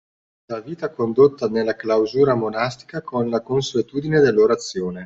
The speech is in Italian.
La vita condotta nella clausura monastica con la consuetudine dell'orazione